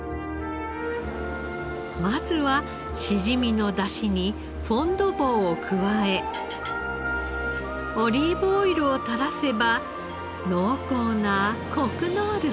まずはしじみの出汁にフォン・ド・ボーを加えオリーブオイルを垂らせば濃厚なコクのあるソースに。